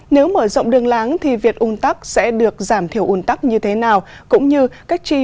nếu mở rộng đường lắng thì việc ung tắc sẽ được giảm thiểu ung tắc như thế nào cũng như các chi